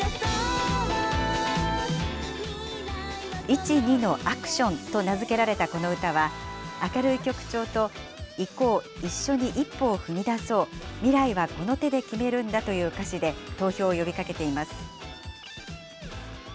いち、にの、アクション！と名付けられたこの歌は、明るい曲調と行こう、一緒に一歩を踏み出そう、未来はこの手で決めるんだという歌詞で、投票を呼びかけています。